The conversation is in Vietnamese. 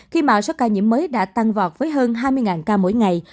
khi màu sắc ca nhiễm mới đã tăng vọt với hơn hai mươi ca mỗi ngày